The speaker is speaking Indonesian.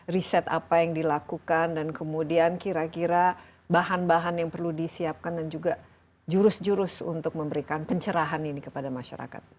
riset apa yang dilakukan dan kemudian kira kira bahan bahan yang perlu disiapkan dan juga jurus jurus untuk memberikan pencerahan ini kepada masyarakat